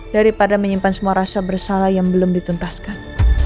daripada menyimpan semua rasa bersalah yang belum dituntaskan